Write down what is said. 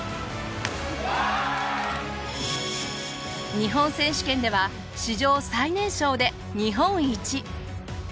日本選手権では史上最年少で日本一。